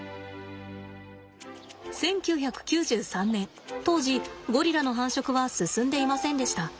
１９９３年当時ゴリラの繁殖は進んでいませんでした。